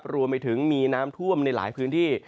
รวมไปถึงมีน้ำท่วมในหลายพื้นที่